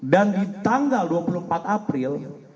dan di tanggal dua puluh empat april